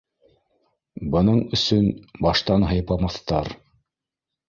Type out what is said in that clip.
Бының өсөн баштан һыйпамаҫтар.